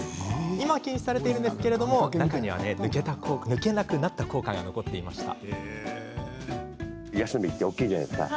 今は禁止されているんですが中には抜けなくなった硬貨が残っていました。